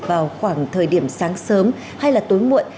vào khoảng thời điểm sáng sớm hay là tối muộn